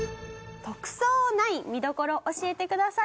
『特捜９』見どころ教えてください。